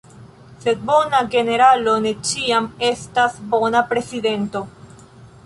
Sed bona generalo ne ĉiam estas bona prezidento.